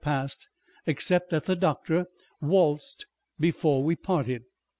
489 passed, except that the Doctor waltzed before we parted